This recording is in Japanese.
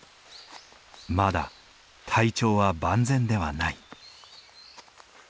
まだ体調は万全ではない。